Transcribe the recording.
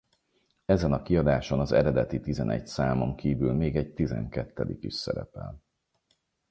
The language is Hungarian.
Ezen a kiadáson az eredeti tizenegy számon kívül még egy tizenkettedik is szerepel.